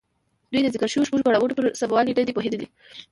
دوی د ذکر شويو شپږو پړاوونو پر سموالي نه دي پوهېدلي.